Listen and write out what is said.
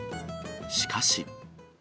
しかし。